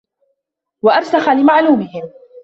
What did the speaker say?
وَأَرْسَخُ لِمَعْلُومِهِمْ